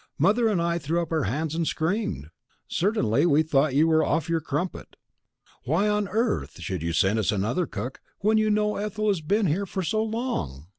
Mother and I threw up our hands and screamed! Certainly we thought you were off your crumpet. Why on earth should you send us another cook when you know Ethel has been here for so long?